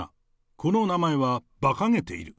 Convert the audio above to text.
この名前はばかげている。